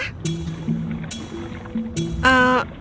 ya mencuri permata